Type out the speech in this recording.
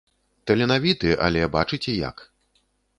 Таленавіты, але бачыце як.